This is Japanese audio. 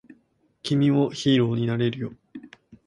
君もヒーローになれるよ